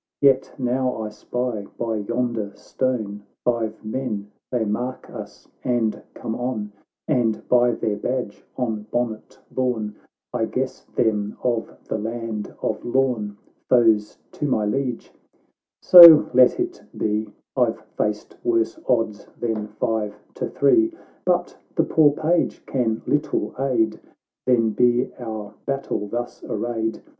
Yet now I spy, by yonder stone, Five men — they mark us, and come on ; And by their badge on bonnet borne, I guess them of the land of Lorn, Foes to my Liege." —" So let it be ; I've faced worse odds than five to three— — But the poor Page can little aid ; Then be our battle thus arrayed, 598 THE LOED OF THE ISLES. [ CANTO III.